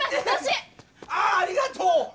ああありがとう！